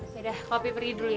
yaudah opi pergi dulu ya